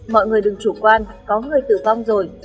mọi người đừng chủ quan có người tử vong rồi